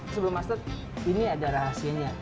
sebelum masak ini ada rahasianya